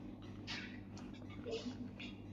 Antzemate-programetan parte hartzea ezinbestekoa da.